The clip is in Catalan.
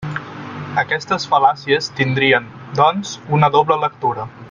Aquestes fal·làcies tindrien, doncs, una doble lectura.